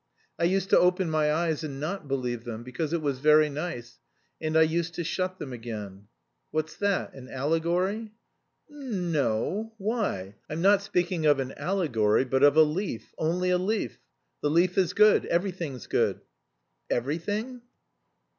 I used to open my eyes and not believe them, because it was very nice, and I used to shut them again." "What's that? An allegory?" "N no... why? I'm not speaking of an allegory, but of a leaf, only a leaf. The leaf is good. Everything's good." "Everything?"